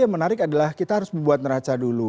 yang menarik adalah kita harus membuat neraca dulu